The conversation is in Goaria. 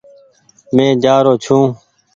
مينٚ جآرو ڇوٚنٚ